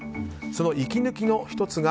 その息抜きの１つが。